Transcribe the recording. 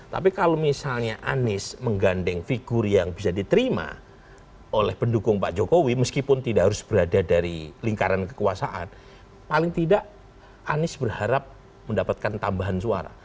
tapi kalau misalnya anies menggandeng figur yang bisa diterima oleh pendukung pak jokowi meskipun tidak harus berada dari lingkaran kekuasaan paling tidak anies berharap mendapatkan tambahan suara